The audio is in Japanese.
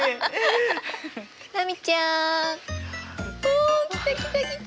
波ちゃん！お来た来た来た。